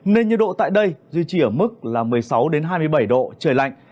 nên nhiệt độ tại đây duy trì ở mức là một mươi sáu hai mươi bảy độ trời lạnh